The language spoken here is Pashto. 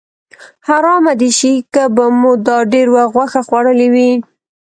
حرامه دې شي که به مو دا ډېر وخت غوښه خوړلې وي.